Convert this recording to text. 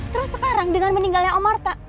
terus sekarang dengan meninggalnya om arta